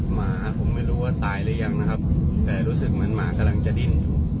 หมาผมไม่รู้ว่าตายหรือยังนะครับแต่รู้สึกเหมือนหมากำลังจะดิน